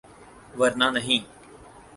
‘ ورنہ نہیں۔